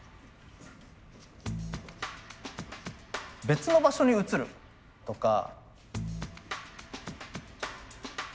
別の場所に移るとか。